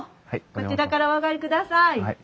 こちらからお上がりください。